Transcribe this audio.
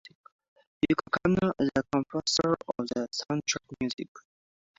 Yoko Kanno is the composer of the soundtrack music.